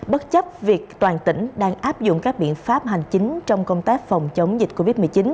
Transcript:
bất chấp việc toàn tỉnh đang áp dụng các biện pháp hành chính trong công tác phòng chống dịch covid một mươi chín